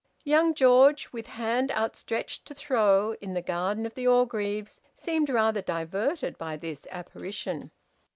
Young George, with hand outstretched to throw, in the garden of the Orgreaves, seemed rather diverted by this apparition.